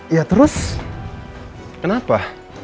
ya terus kenapa